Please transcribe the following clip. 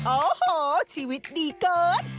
โอ้โหชีวิตดีเกิน